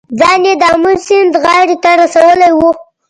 ځان یې د آمو سیند غاړې ته رسولی و.